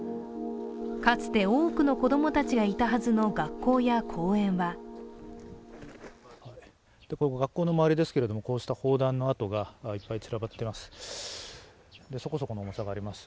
かつて多くの子供たちがいたはずの学校や公園は学校の周りですけれども、こうした砲弾の跡がいっぱい散らばっています。